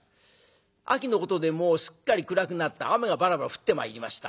秋のことでもうすっかり暗くなって雨がバラバラ降ってまいりました。